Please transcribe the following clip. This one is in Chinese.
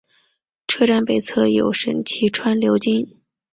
车站北侧有神崎川流经。